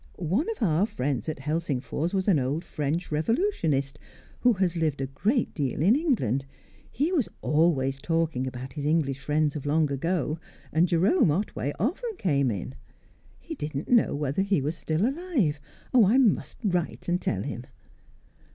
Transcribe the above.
One of our friends at Helsingfors was an old French revolutionist, who has lived a great deal in England; he was always talking about his English friends of long ago, and Jerome Otway often came in. He didn't know whether he was still alive. Oh, I must write and tell him."